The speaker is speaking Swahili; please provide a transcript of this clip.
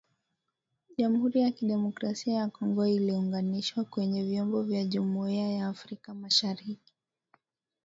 jamuhuri ya kidemokrasia ya Kongo inaunganishwa kwenye vyombo vya jumuiya ya Afrika mashariki